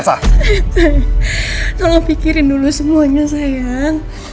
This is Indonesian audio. sayang jangan pikirin dulu semuanya sayang